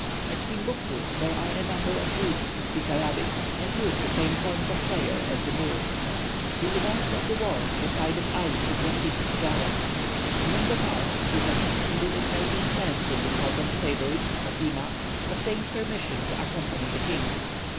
At Timbuctoo there are a number of Jews who speak Arabic, and use the same forms of prayer as the Moors. [Illustration: Map of Western Africa.] The events of the war decided Ali to proceed to Jarra. Mungo Park, who had succeeded in making friends with the sultan's favourite, Fatima, obtained permission to accompany the king.